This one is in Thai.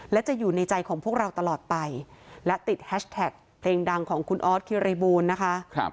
และจะอยู่ในใจของพวกเราตลอดไปและติดแฮชแท็กเพลงดังของคุณออสคิริบูลนะคะ